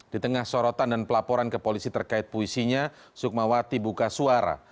di tengah sorotan dan pelaporan ke polisi terkait puisinya sukmawati buka suara